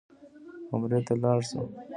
عمرې ته لاړ شه.